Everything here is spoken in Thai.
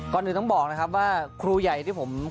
ก่อนอื่นต้องบอกนะครับว่าครูใหญ่ที่ผม